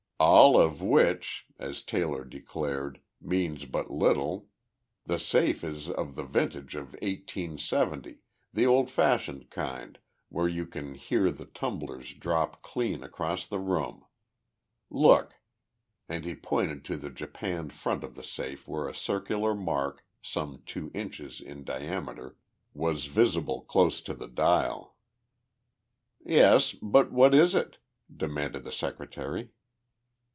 "All of which," as Taylor declared, "means but little. The safe is of the vintage of eighteen seventy, the old fashioned kind where you can hear the tumblers drop clean across the room. Look!" and he pointed to the japanned front of the safe where a circular mark, some two inches in diameter, was visible close to the dial. "Yes, but what is it?" demanded the Secretary.